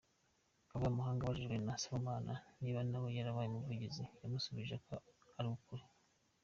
Kavamahanga abajijwe na Sibomana niba nawe yarabaye umuvugizi, yamusubijeko ari ukuri.